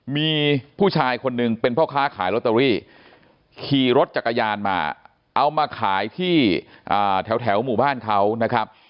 มีผู้ชายคนหนึ่งเป็นพ่อค้าขายลอตเตอรี่ขี่รถจักรยานมาเอามาขายที่แถวหมู่บ้านเขานะครับ